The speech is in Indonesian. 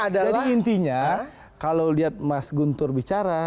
jadi intinya kalau lihat mas guntur bicara